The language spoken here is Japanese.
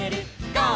ゴー！」